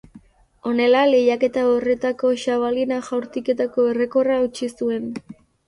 Honela, lehiaketa horretako xabalina jaurtiketako errekorra hautsi zuen.